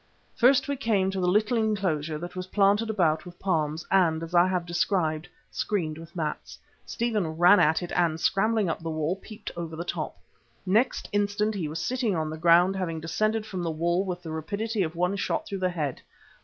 First we came to the little enclosure that was planted about with palms and, as I have described, screened with mats. Stephen ran at it and, scrambling up the wall, peeped over the top. Next instant he was sitting on the ground, having descended from the wall with the rapidity of one shot through the head.